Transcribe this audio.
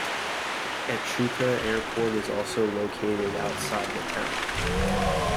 Echuca Airport is also located outside the town.